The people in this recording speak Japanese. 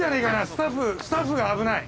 スタッフスタッフが危ない。